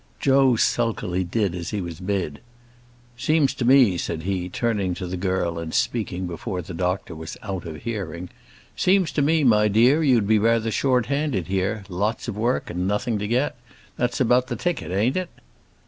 Joe sulkily did as he was bid. "Seems to me," said he, turning to the girl, and speaking before the doctor was out of hearing, "seems to me, my dear, you be rather short handed here; lots of work and nothing to get; that's about the ticket, ain't it?"